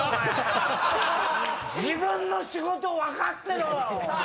自分の仕事分かってろよ！